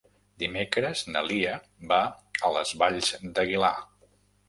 Dimecres na Lia va a les Valls d'Aguilar.